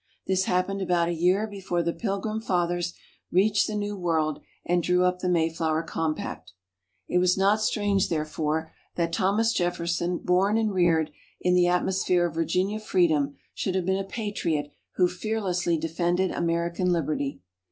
This happened about a year before the Pilgrim Fathers reached the New World, and drew up the Mayflower Compact. It was not strange, therefore, that Thomas Jefferson, born and reared in the atmosphere of Virginia Freedom, should have been a Patriot who fearlessly defended American Liberty.